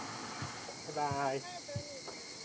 バイバーイ。